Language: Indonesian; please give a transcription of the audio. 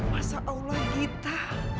masa allah gita